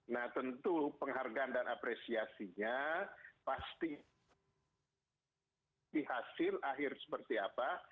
nah tentu penghargaan dan apresiasinya pasti di hasil akhir seperti apa